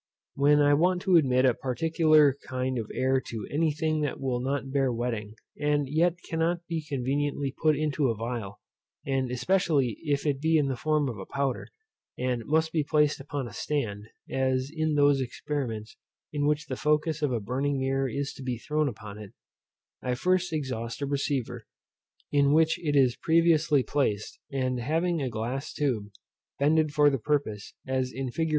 When I want to admit a particular kind of air to any thing that will not bear wetting, and yet cannot be conveniently put into a phial, and especially if it be in the form of a powder, and must be placed upon a stand (as in those experiments in which the focus of a burning mirror is to be thrown upon it) I first exhaust a receiver, in which it is previously placed; and having a glass tube, bended for the purpose, as in fig.